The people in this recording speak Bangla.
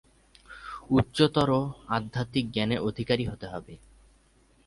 উচ্চতর আধ্যাত্মিক জ্ঞানের অধিকারী হতে হবে।